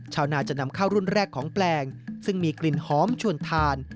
ชาวนาจะนำเข้ารุ่นแรกของแปลงซึ่งมีกลิ่นหอมชวนทาน